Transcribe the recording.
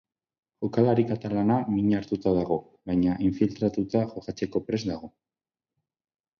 Jokalari katalana min hartuta dago, baina infiltratuta jokatzeko prest dago.